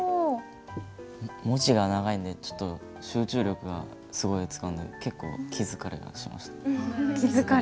文字が長いんでちょっと集中力がすごい使うんで結構気疲れがしました。